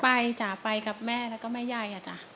จ๋าไปกับแม่แล้วก็แม่ยายอ่ะจ้ะ